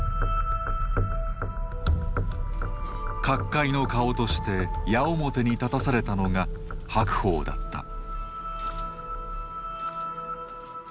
角界の顔として矢面に立たされたのが白鵬だった。